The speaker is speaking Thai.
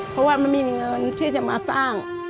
เพราะว่ามันไม่มีเงินที่จะมาสร้าง